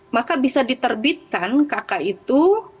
maka bisa diterbitkan kk itu